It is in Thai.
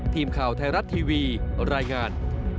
ทีมข่าวไทยรัฐทีวีรายงาน